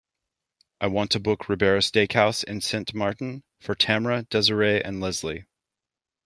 I want to book Ribera Steakhouse in Sint Maarten for tamra, desiree and lesley.